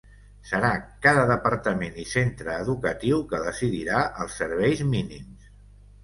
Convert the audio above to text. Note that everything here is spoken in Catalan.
Serà cada departament i centre educatiu que decidirà els serveis mínims.